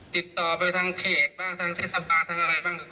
ติดต่อไปทางเขตบ้างทางเทศบาลทางอะไรบ้าง